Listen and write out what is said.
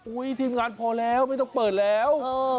ทีมงานพอแล้วไม่ต้องเปิดแล้ว